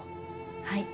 はい。